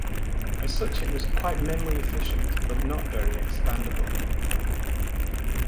As such it was quite memory efficient, but not very expandable.